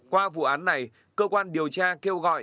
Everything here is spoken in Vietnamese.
qua vụ án này cơ quan điều tra kêu gọi